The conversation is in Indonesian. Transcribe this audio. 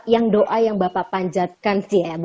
yang doa yang bapak panjatkan sih ya